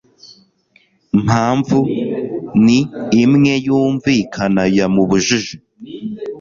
mpamvu n imwe yumvikana yamubujije